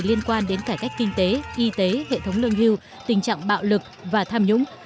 liên quan đến cải cách kinh tế y tế hệ thống lương hưu tình trạng bạo lực và tham nhũng